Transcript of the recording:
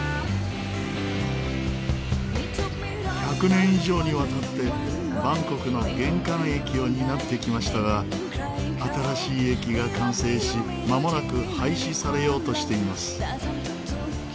１００年以上にわたってバンコクの玄関駅を担ってきましたが新しい駅が完成しまもなく廃止されようとしています。